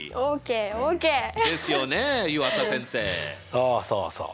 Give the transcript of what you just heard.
そうそうそう。